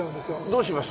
どうします？